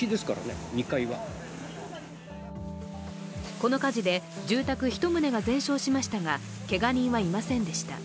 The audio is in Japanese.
この火事で住宅１棟が全焼しましたが、けが人はいませんでした。